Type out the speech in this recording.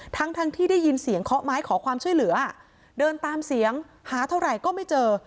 ทั้งทั้งที่ได้ยินเสียงเคาะไม้ขอความช่วยเหลือเดินตามเสียงหาเท่าไหร่ก็ไม่เจอ